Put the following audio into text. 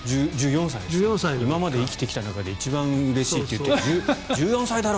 今まで生きてきた中で一番うれしいって言って１４歳だろ！